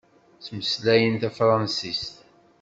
Ttmeslayen tafṛansist.